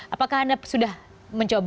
apakah anda sudah mencoba